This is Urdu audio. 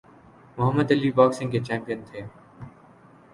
محمد علی باکسنگ کے چیمپئن تھے۔